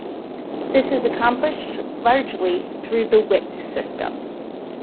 This is accomplished largely through the whip system.